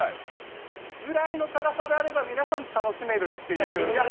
このくらいの辛さであれば皆さん楽しめるという。